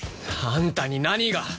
あんたに何が！